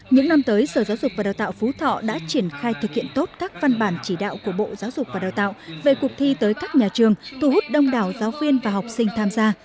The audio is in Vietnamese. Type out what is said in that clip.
những năm tới sở giáo dục và đào tạo phú thọ đã triển khai thực hiện tốt các văn bản chỉ đạo của bộ giáo dục và đào tạo về cuộc thi tới các nhà trường thu hút đông đảo giáo viên và học sinh tham gia